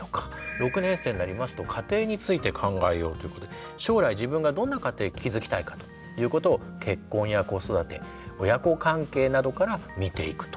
６年生になりますと家庭について考えようということで将来自分がどんな家庭築きたいかということを結婚や子育て親子関係などから見ていくと。